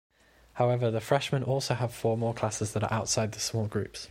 However, the freshmen also have four more classes that are outside the small groups.